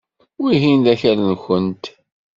Wihin d akal-nwent.